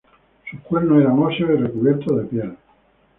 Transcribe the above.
Sus cuernos eran óseos y recubiertos de piel.